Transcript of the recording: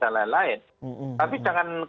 kemudian belajar dari